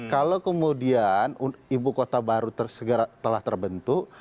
kalau kemudian ibu kota baru telah terbentuk